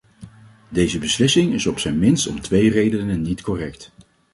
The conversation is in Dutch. Deze beslissing is op zijn minst om twee redenen niet correct.